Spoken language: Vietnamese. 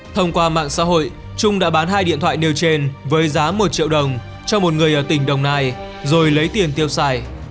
thông qua mạng xã hội trung đã bán hai điện thoại nêu trên với giá một triệu đồng cho một người ở tỉnh đồng nai rồi lấy tiền tiêu xài